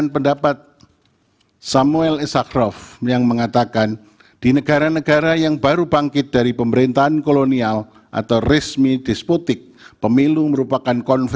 pertama dianggap telah dibacakan